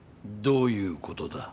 どういうことだ？